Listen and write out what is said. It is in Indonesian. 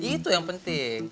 itu yang penting